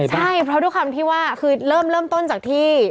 ใช่เพราะด้วยความที่ว่าคือเริ่มต้นจากที่